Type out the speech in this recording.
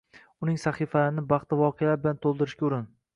uning sahifalarini baxtli voqealar bilan to‘ldirishga urin.